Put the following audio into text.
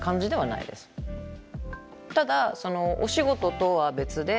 ただお仕事とは別で。